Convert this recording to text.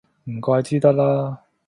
唔怪之得啦